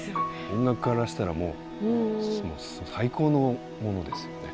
音楽家からしたらもう最高のものですよね。